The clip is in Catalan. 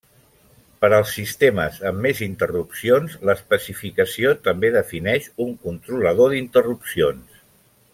Per als sistemes amb més interrupcions, l'especificació també defineix un controlador d'interrupcions.